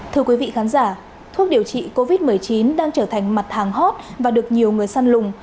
thưa quý vị khán giả thuốc điều trị covid một mươi chín đang trở thành mặt hàng hot và được nhiều người săn lùng